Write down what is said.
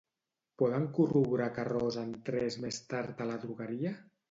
Poden corroborar que Ros entrés més tard a l'adrogueria?